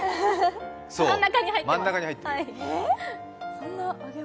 真ん中に入ってます。